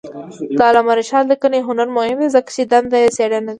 د علامه رشاد لیکنی هنر مهم دی ځکه چې دنده یې څېړنه ده.